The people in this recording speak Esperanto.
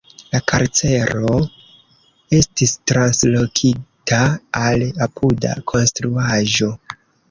La karcero estis translokita al apuda konstruaĵo.